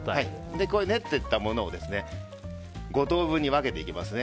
練っていったものを５等分に分けていきますね。